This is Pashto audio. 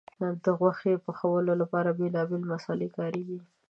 د غوښې پخولو لپاره بیلابیل مسالې کارېږي.